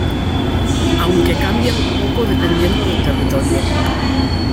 Aunque cambia un poco dependiendo el territorio.